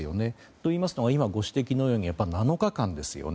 といいますのは今ご指摘のように７日間ですよね。